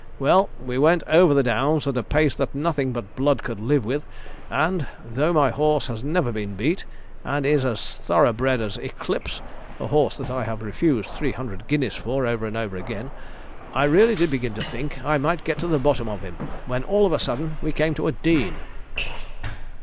Well, we went over the downs at a pace that nothing but blood could live with, and, though my horse has never been beat, and is as thorough bred as Eclipse a horse that I have refused three hundred guineas for over and over again, I really did begin to think I might get to the bottom of him, when all of a sudden we came to a dean.'